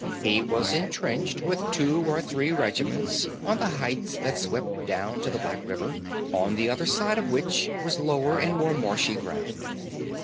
He was entrenched with two or three regiments on the heights that swept down to the Black River, on the other side of which was lower and more marshy ground.